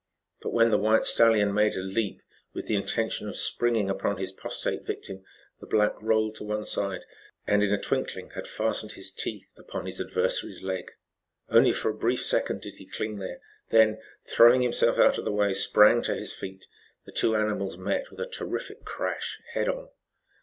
But when the white stallion made a leap, with the intention of springing upon his prostrate victim, the black rolled to one side, and in a twinkling had fastened his teeth upon his adversary's leg. Only for a brief second did he cling there, then throwing himself out of the way sprang to his feet. The two animals met with a terrific crash, head on.